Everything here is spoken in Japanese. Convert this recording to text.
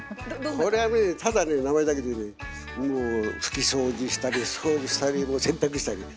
これはねただね名前だけでねもう拭き掃除したり掃除したりもう洗濯したり。